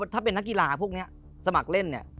ถ้าเป็นนักกีฬาพวกนี้สมัครเล่นเนี่ย